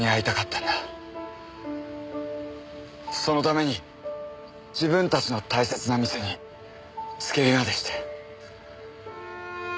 そのために自分たちの大切な店に付け火までして。